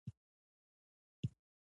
یو زورواکۍ پاچا مو رامنځته کړ.